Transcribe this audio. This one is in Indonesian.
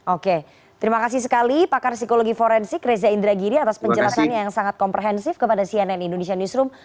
oke terima kasih sekali pakar psikologi forensik reza indragiri atas penjelasannya yang sangat komprehensif kepada cnn indonesia newsroom